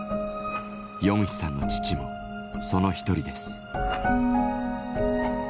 ヨンヒさんの父もその一人です。